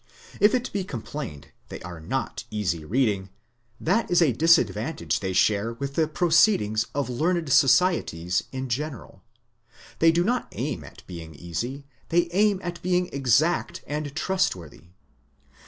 If it be complained they are not easy reading, that is a disadvantage they share with the Proceed ings of learned societies in general. They do not aim at being easy, they aim at being exact and trustworthy.